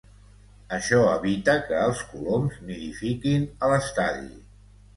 Això evita que els coloms nidifiquin a l'estadi.